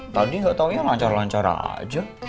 tadi nggak taunya lancar lancar aja